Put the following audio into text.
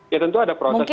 ya tentu ada prosesnya